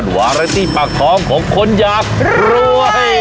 วาระตี้ปากท้องของคนอยากรวย